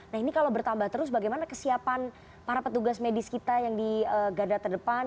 nah ini kalau bertambah terus bagaimana kesiapan para petugas medis kita yang di garda terdepan